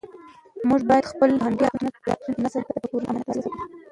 موږ باید خپل فرهنګي ارزښتونه راتلونکي نسل ته په پوره امانتدارۍ وسپارو.